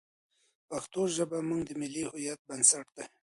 پښتو ژبه زموږ د ملي هویت بنسټ دی.